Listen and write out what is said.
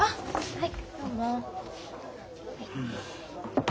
はい。